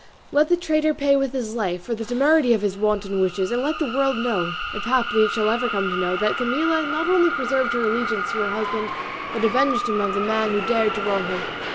Let the traitor pay with his life for the temerity of his wanton wishes, and let the world know (if haply it shall ever come to know) that Camilla not only preserved her allegiance to her husband, but avenged him of the man who dared to wrong him.